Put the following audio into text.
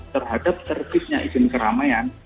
terhadap servisnya izin keramaian